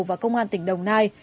và công an tỉnh đồng nai